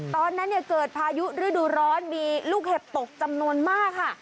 ตอนนั้นเนี่ยเกิดพายุฤดูร้อนมีลูกเห็บตกจำนวนมากค่ะ